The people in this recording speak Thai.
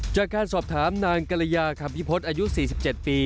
จากการสอบถามนางกะละยาขับพิพธิ์อายุ๔๗ปี